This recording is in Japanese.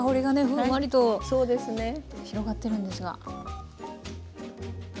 ふんわりと広がってるんですが。